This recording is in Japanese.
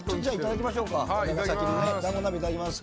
だんご鍋、いただきます。